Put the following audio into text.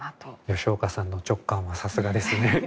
吉岡さんの直感はさすがですね。